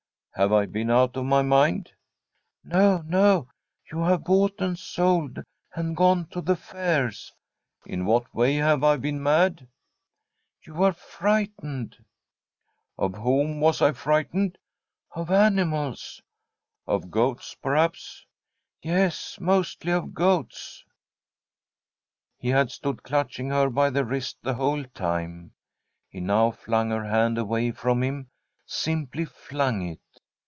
* Have I been out of my mind ?'' No, no ! You have bought and sold and gone to the fairs.' * In what way have I been mad ?'' You were frightened.' ' Of whom was I frightened ?'' Of animals.' ne STORY rf a COUNTRY HOUSE ' Of goats, perhaps ?'' Yes, mostly of goats.' He had stood clutching her by the wrist the whole time. He now flung her hand away from him — simply flung it.